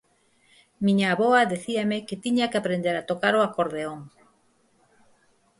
Miña avoa dicíame que tiña que aprender a tocar o acordeón.